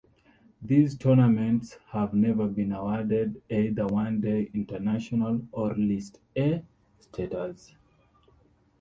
These tournaments have never been awarded either One Day International or List A status.